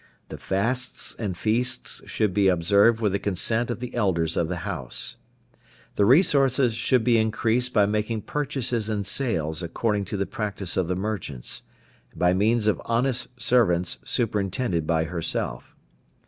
The fasts and feasts should be observed with the consent of the elders of the house. The resources should be increased by making purchases and sales according to the practice of the merchants, and by means of honest servants, superintended by herself.